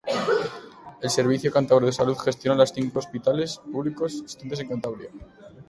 El Servicio Cántabro de Salud gestiona los cinco hospitales públicos existentes en Cantabria.